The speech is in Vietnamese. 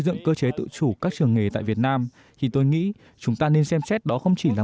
dựng cơ chế tự chủ các trường nghề tại việt nam thì tôi nghĩ chúng ta nên xem xét đó không chỉ là